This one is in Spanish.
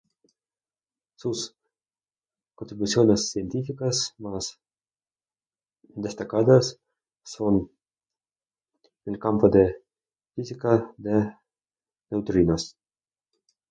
Sus contribuciones científicas más destacadas son en el campo de física de neutrinos.